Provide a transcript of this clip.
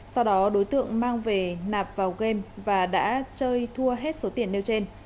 sau đó đối tượng mang về nạp vào game và đã chơi thua hết số tiền nêu trên